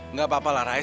enggak apa apa lah rais